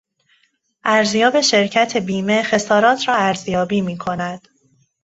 ارزیاب شرکت بیمه خسارات را ارزیابی میکند.